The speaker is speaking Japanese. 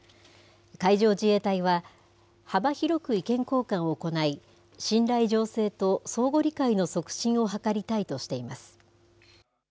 海上自衛隊は、幅広く意見交換を行い、信頼醸成と相互理解の促進を図りたいとしています。